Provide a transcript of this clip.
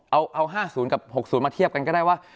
เอาห้าศูนย์กับหกศูนย์มาเทียบกันก็ได้ว่า